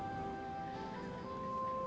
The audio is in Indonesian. ya allah ya rabbi